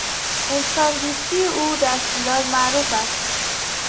انسان دوستی او در شیراز معروف است.